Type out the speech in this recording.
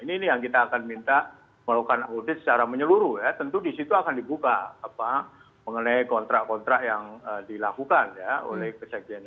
ini yang kita akan minta melakukan audit secara menyeluruh ya tentu disitu akan dibuka mengenai kontrak kontrak yang dilakukan ya oleh kesekjen